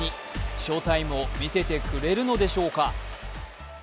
翔タイムを見せてくれるのでしょうか。